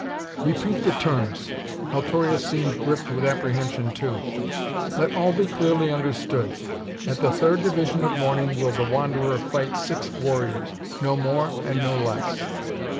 "Repeat the terms." Altorius seemed gripped with apprehension too. "Let all be clearly understood: at the third division of morning will the wanderer fight six warriors. No more and no less."